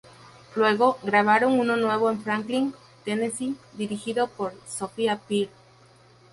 Luego, grabaron uno nuevo en Franklin, Tennessee, dirigido por Sophia Peer.